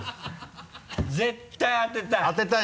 絶対当てたい。